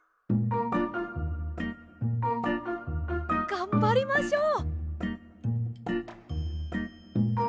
がんばりましょう！